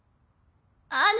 あの！